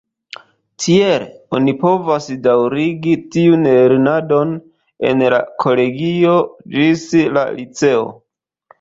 Tiel, oni povas daŭrigi tiun lernadon en la kolegio ĝis la liceo.